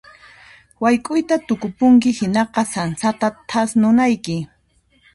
Wayk'uyta tukupunki hinaqa sansata thasnunayki.